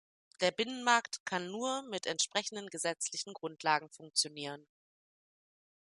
Der Binnenmarkt kann nur mit entsprechenden gesetzlichen Grundlagen funktionieren.